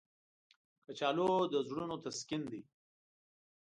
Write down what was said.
کچالو د زړونو تسکین دی